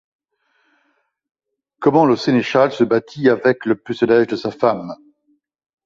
Comment le senneschal se battit avecques le pucelaige de sa femme